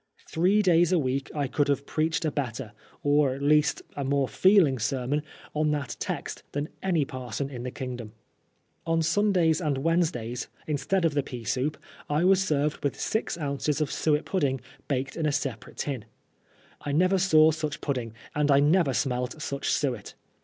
Three days a week I could have preached a better, or at least a more feeling, sermon on that text than any parson in the kingdom. On Sundays and Wednesdays, instead of the pea soup, I was served with six ounces of suet pudding baked in a separate tin. I never saw such pudding, and I never smelt such suet.